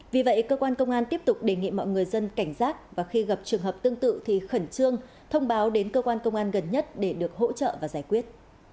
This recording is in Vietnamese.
vì vậy cơ quan công an tiếp tục đề nghị mọi người dân cảnh giác và khi gặp trường hợp tương tự thì khẩn trương thông báo đến cơ quan công an gần nhất để được hỗ trợ và giải quyết